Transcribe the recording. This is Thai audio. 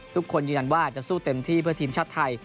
ทุกคนยืนยันว่าจะสู้เต็มที่เพื่อทีมชาติไทย